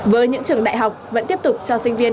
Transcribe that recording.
với những trường đại học vẫn tiếp tục cho sinh viên